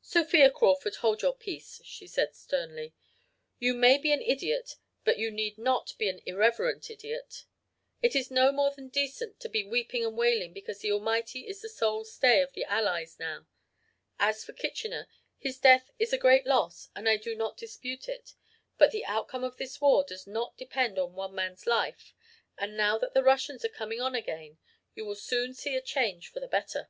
"'Sophia Crawford, hold your peace!' she said sternly. 'You may be an idiot but you need not be an irreverent idiot. It is no more than decent to be weeping and wailing because the Almighty is the sole stay of the Allies now. As for Kitchener, his death is a great loss and I do not dispute it. But the outcome of this war does not depend on one man's life and now that the Russians are coming on again you will soon see a change for the better.'